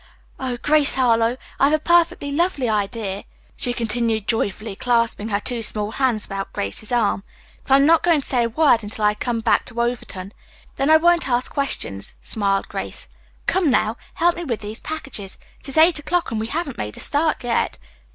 Oh, Grace Harlowe, I've a perfectly lovely idea," she continued, joyfully clasping her two small hands about Grace's arm, "but I am not going to say a word until I come back to Overton." "Then I won't ask questions," smiled Grace. "Come, now, help me with these packages. It is eight o'clock and we haven't made a start yet.